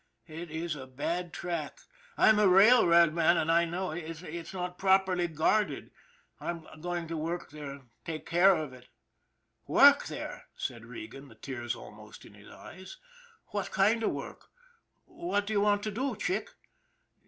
It is a bad track. I'm a railroad man and I know. It's not properly guarded. I'm going to work there and take care of it." " Work there ?" said Regan, the tears almost in his eyes. " What kind of work ? What do you want to do, Chick?"